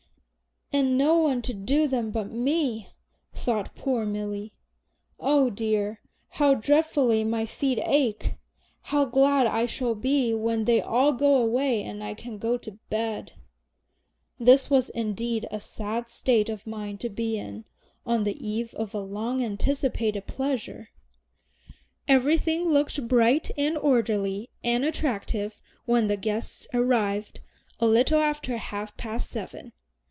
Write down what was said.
"And no one to do them but me," thought poor Milly. "Oh dear, how dreadfully my feet ache! How glad I shall be when they all go away and I can go to bed!" This was indeed a sad state of mind to be in on the eve of a long anticipated pleasure! Everything looked bright and orderly and attractive when the guests arrived a little after half past seven.